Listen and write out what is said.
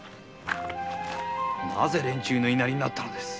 なぜ連中の言いなりになったのです！